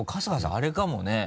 あれかもね。